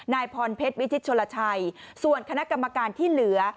นายพรเพชรวิชิตชนลชัยส่วนคณะกรรมการที่เหลือ